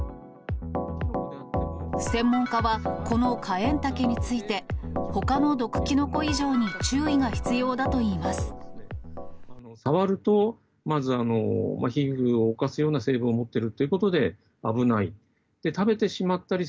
専門家は、このカエンタケについて、ほかの毒キノコ以上に注意が必要だといいます。